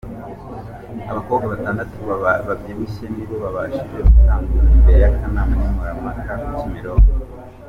Abakobwa batandatu babyibushye nibo bashije gutambuka imbere y’akanama nkemurampaka ku kimironko.